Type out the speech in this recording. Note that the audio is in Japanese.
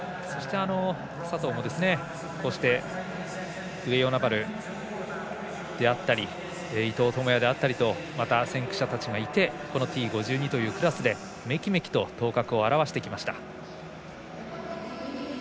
佐藤もこうして、上与那原であったり伊藤智也であったりとまた、先駆者がいてこのＴ５２というクラスでめきめきと頭角を現してきました。